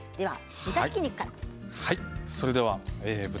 豚ひき肉からです。